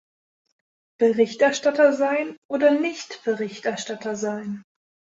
Berichterstatter sein oder nicht Berichterstatter sein?